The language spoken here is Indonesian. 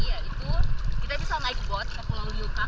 yaitu kita bisa naik boat ke pulau yuka